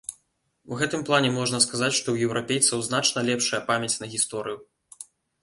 У гэтым плане можна сказаць, што ў еўрапейцаў значна лепшая памяць на гісторыю.